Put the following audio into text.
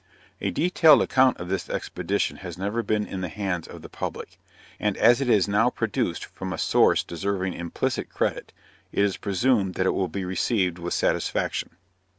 A detailed account of this expedition has never been in the hands of the public; and as it is now produced from a source deserving implicit credit, it is presumed that it will be received with satisfaction.